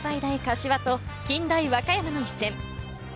大柏と近大和歌山の一戦。